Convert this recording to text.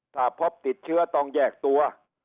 ถ้าพบติดเชื้อต้องแยกตัว